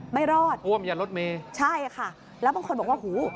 ไม่รอดใช่ค่ะแล้วบางคนบอกว่าหู